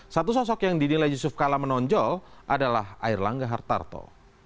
satu sosok yang dinilai yusuf kala menonjol adalah air langga hartarto